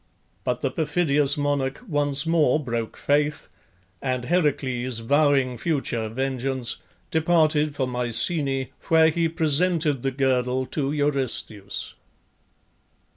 But the perfidious monarch once more broke faith, and Heracles, vowing future vengeance, departed for Mycenae, where he presented the girdle to Eurystheus.